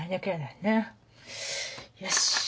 よし。